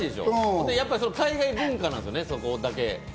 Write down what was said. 海外文化なんですよね、そこだけ。